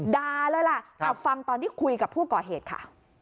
ดาเลยล่ะเอาฟังตอนที่คุยกับผู้ก่อเหตุค่ะ